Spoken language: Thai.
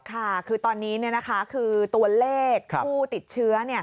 ค่ะคือตอนนี้คือตัวเลขผู้ติดเชื้อ